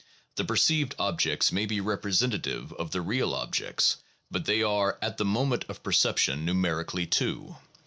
The perceived objects may be representative of the real objects, but they are at the moment of perception numeri cally two.